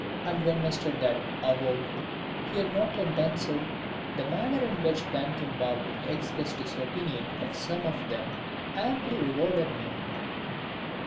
And when Mr. Dutt avowed he had not yet done so, the manner in which Bankim Babu expressed his opinion of some of them amply rewarded me.